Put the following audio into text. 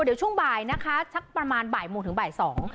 เดี๋ยวช่วงบ่ายนะคะสักประมาณบ่ายโมงถึงบ่ายสอง